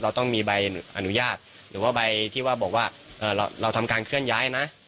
เราต้องมีใบอนุญาตหรือว่าใบที่ว่าบอกว่าเราทำการเคลื่อนย้ายนะ